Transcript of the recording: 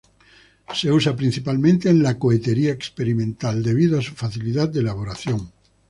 Se usa principalmente en la cohetería experimental debido a su facilidad de elaboración.